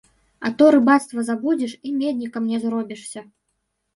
А то рыбацтва забудзеш і меднікам не зробішся.